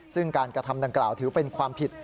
ซึ่งการกระทำดังกล่าวถือเป็นความผิด